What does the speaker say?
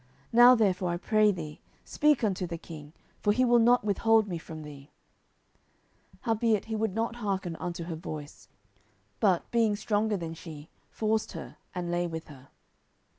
Now therefore, I pray thee, speak unto the king; for he will not withhold me from thee. 10:013:014 Howbeit he would not hearken unto her voice: but, being stronger than she, forced her, and lay with her.